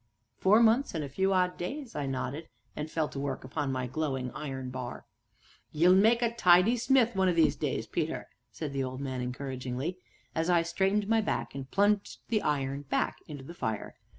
"Four months and a few odd days," I nodded, and fell to work upon my glowing iron bar: "Ye'll make a tidy smith one o' these days, Peter," said the old man encouragingly, as I straightened my back and plunged the iron back into the fire.